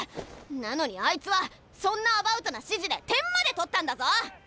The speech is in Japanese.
なのにあいつはそんなアバウトな指示で点まで取ったんだぞ！